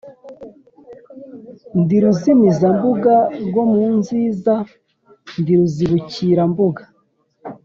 Ndi ruzimizambuga rwo mu nziza, ndi ruzibukirambuga